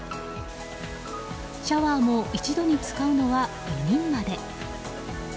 シャワーも一度に使うのは４人まで。